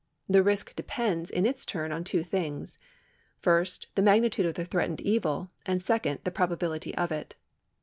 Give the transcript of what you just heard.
The risk depends, in its turn, on two things : first, the magnitude of tlie threatened evil, and second, the probability of it.